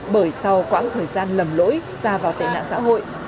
bởi sau quãng thời gian lầm lỗi xa vào tệ nạn xã hội